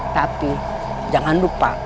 tapi jangan lupa